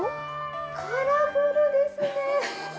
カラフルですね。